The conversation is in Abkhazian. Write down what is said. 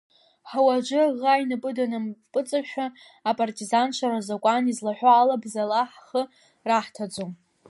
Ҳуаӡәы аӷа инапы данампыҵашәа, апартизанцәа рзакәан излаҳәо ала, бзала ҳхы раҳҭаӡом.